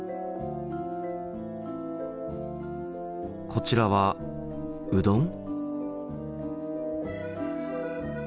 こちらはうどん？